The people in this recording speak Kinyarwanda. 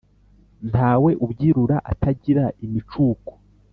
nta we ubyirura atagira imicuko